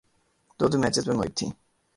دو دو میچز پہ محیط تھیں۔